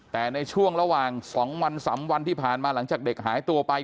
แต่ในช่วงระหว่าง๒วัน๓วันที่ผ่านมาหลังจากเด็กหายตัวไป